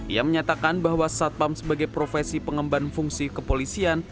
ia menyatakan bahwa satpam sebagai profesi pengemban fungsi kepolisian